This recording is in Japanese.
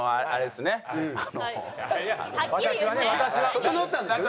整ったんですよね？